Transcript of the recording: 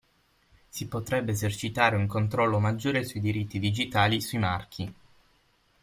Si potrebbe esercitare un controllo maggiore sui diritti digitali sui marchi.